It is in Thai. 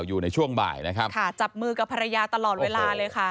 อยู่ในช่วงบ่ายนะครับค่ะจับมือกับภรรยาตลอดเวลาเลยค่ะ